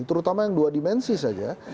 terutama yang dua dimensi saja